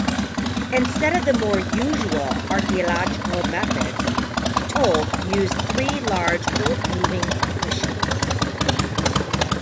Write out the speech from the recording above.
Instead of the more usual archaeological methods, Kitov used three large earthmoving machines.